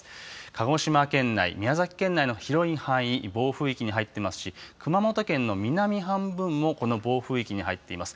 鹿児島県内、宮崎県内の広い範囲、暴風域に入っていますし、熊本県の南半分も、この暴風域に入っています。